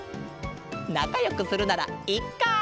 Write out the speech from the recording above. なかよくするならいっか！